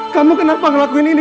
kamu kenapa ngelakuin ini